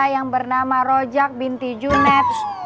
yang bernama rojak binti junets